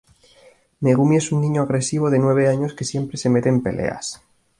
Megumi es un niño agresivo de nueve años que siempre se mete en peleas.